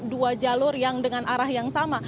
dua jalur yang dengan arah yang sama